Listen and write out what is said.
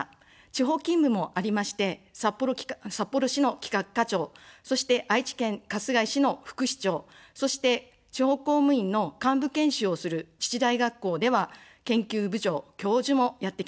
地方勤務もありまして、札幌市の企画課長、そして愛知県春日井市の副市長、そして地方公務員の幹部研修をする自治大学校では、研究部長、教授もやってきました。